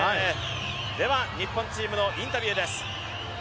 では日本チームのインタビューです。